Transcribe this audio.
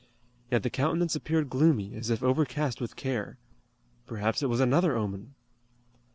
Yet the countenance appeared gloomy, as if overcast with care. Perhaps it was another omen!